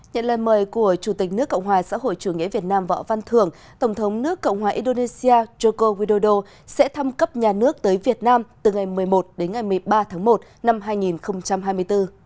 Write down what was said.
nhận lời mời của chủ tịch nước cộng hòa xã hội chủ nghĩa việt nam võ văn thường tổng thống nước cộng hòa indonesia joko widodo sẽ thăm cấp nhà nước tới việt nam từ ngày một mươi một đến ngày một mươi ba tháng một năm hai nghìn hai mươi bốn